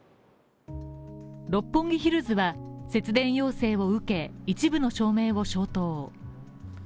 六本木ヒルズは、節電要請を受け一部の照明を消灯。